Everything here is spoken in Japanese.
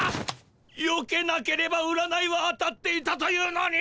よけなければ占いは当たっていたというのに。